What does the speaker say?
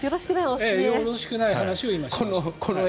よろしくない話を今しました。